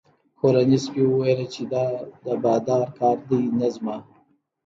کورني سپي وویل چې دا د بادار کار دی نه زما.